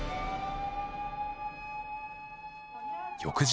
翌日。